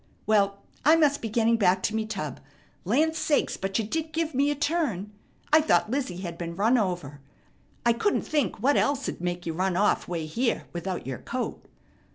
Well, I must be getting back to me tub. Land sakes, but you did give me a turn. I thought Lizzie had been run over. I couldn't think what else'd make you run off way here without your coat.